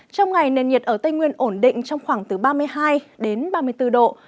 trong ngày nền nhiệt ở tây nguyên ổn định trong khoảng từ ba mươi hai đến ba mươi bốn độ